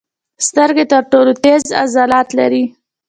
سترګې تر ټولو تېز عضلات لري.